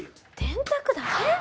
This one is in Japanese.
電卓だけ？